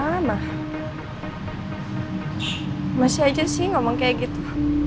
masih aja sih ngomong kayak gitu